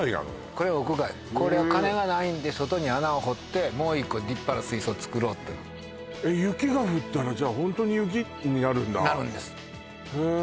これ屋外これお金がないんで外に穴を掘ってもう一個立派な水槽作ろうというえ雪が降ったらホントに雪になるんだなるんですへえ